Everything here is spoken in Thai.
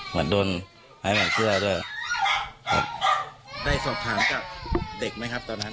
เหมือนโดนไม้เหมือนเสื้อด้วยครับได้สอบถามกับเด็กไหมครับตอนนั้น